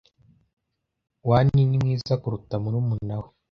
Wan ni mwiza kuruta murumuna we.